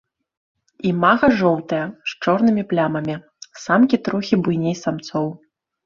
Імага жоўтыя з чорнымі плямамі, самкі трохі буйней самцоў.